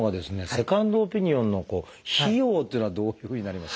セカンドオピニオンの費用っていうのはどういうふうになります？